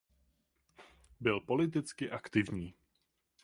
Byl politicky aktivní.